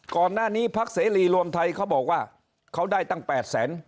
ก่อนหน้านี้พักเสรีรวมไทยเขาบอกว่าเขาได้ตั้ง๘แสน